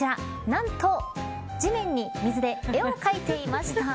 なんと地面に水で絵を描いていました。